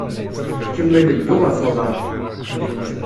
Kemmel ddu ɣef uḍaṛ.